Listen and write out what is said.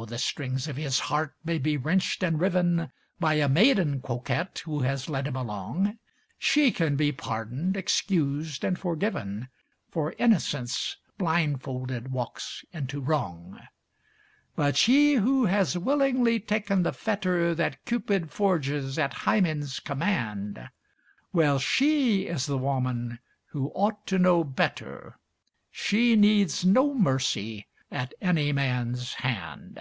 Though the strings of his heart may be wrenched and riven By a maiden coquette who has led him along, She can be pardoned, excused, and forgiven, For innocence blindfolded walks into wrong. But she who has willingly taken the fetter That Cupid forges at Hymen's command Well, she is the woman who ought to know better; She needs no mercy at any man's hand.